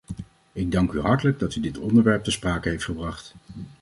Ik dank u hartelijk dat u dit onderwerp ter sprake heeft gebracht.